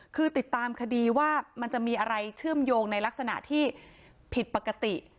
คือติดตามคดีว่ามันจะมีอะไรเชื่อมโยงในลักษณะที่ผิดปกติ